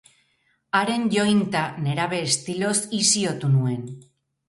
Haren jointa nerabe estiloz isiotu nuen.